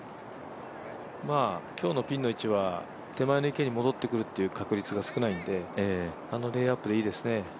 今日のピンの位置は手前の池に戻ってくる可能性は高くないのであのレイアップでいいですね。